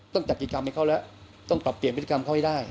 จัดกิจกรรมให้เขาแล้วต้องปรับเปลี่ยนพฤติกรรมเขาให้ได้